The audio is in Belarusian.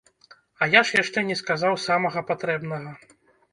А я ж яшчэ не сказаў самага патрэбнага.